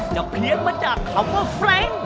เพี้ยนมาจากคำว่าเฟรงค์